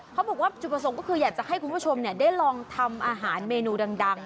เขาบอกว่าจุดประสงค์ก็คืออยากจะให้คุณผู้ชมได้ลองทำอาหารเมนูดัง